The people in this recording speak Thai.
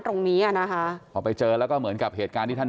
ตรงนี้อ่ะนะคะเขาไปเจอแล้วก็เหมือนกับเหตุการที่ท่าน